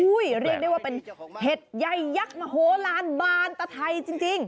เรียกได้ว่าเป็นเห็ดใหญ่ยักษ์มโหลานบานตะไทยจริง